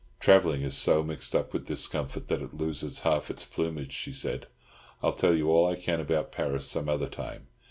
"Travelling is so mixed up with discomfort, that it loses half its plumage," she said. "I'll tell you all I can about Paris some other time.